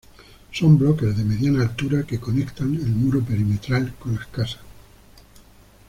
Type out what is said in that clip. Son bloques de mediana altura que conectan el Muro Perimetral con las casas.